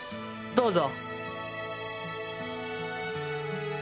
どうぞ。